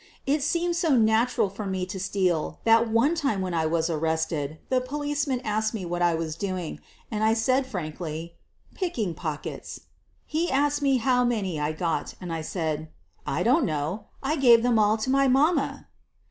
It seemed so natural for mc to steal that one time when I was arrested the policeman asked me what I was doing, and I said frankly, "Picking pockets." He asked me how many I got, and I said, "I don't know; J gave them all to my mama.